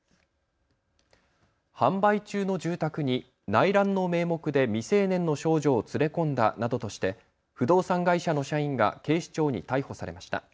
販売中の住宅に内覧の名目で未成年の少女を連れ込んだなどとして不動産会社の社員が警視庁に逮捕されました。